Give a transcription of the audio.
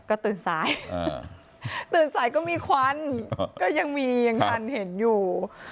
ก็ตื่นสายตื่นสายก็มีควันก็ยังมียังทันเห็นอยู่